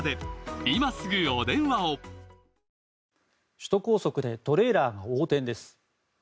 首都高速でトレーラーが横転です。